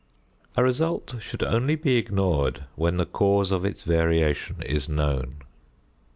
A result should only be ignored when the cause of its variation is known.